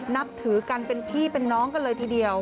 นับถือกันเป็นพี่เป็นน้องกันเลยทีเดียว